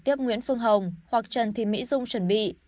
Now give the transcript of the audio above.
tiếp nguyễn phương hồng hoặc trần thị mỹ dung chuẩn bị